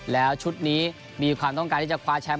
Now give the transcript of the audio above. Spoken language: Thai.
แล้วชุดนี้มีความต้องการที่จะคว้าแชมป